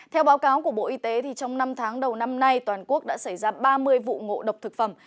theo báo cáo của bộ y tế trong năm tháng đầu năm nay toàn quốc đã xảy ra ba mươi vụ ngộ độc thực phẩm